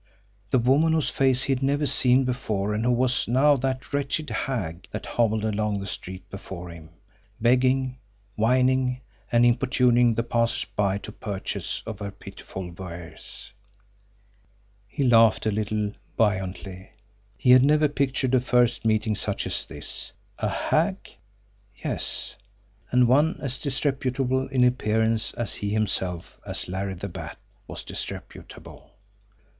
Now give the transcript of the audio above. The woman whose face he had never seen before and who now was that wretched hag that hobbled along the street before him, begging, whining, and importuning the passers by to purchase of her pitiful wares! He laughed a little buoyantly. He had never pictured a first meeting such as this! A hag? Yes! And one as disreputable in appearance as he himself, as Larry the Bat, was disreputable!